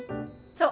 そう。